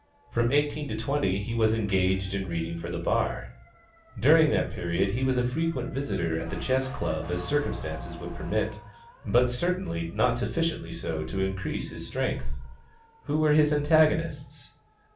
From eighteen to twenty, he was engaged in reading for the bar. During that period he was as frequent a visitor at the chess club as circumstances would permit, but certainly not sufficiently so to increase his strength. Who were his antagonists?